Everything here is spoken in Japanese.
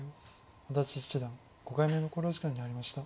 安達七段５回目の考慮時間に入りました。